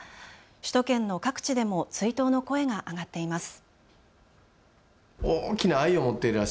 首都圏の各地でも追悼の声が上がっています。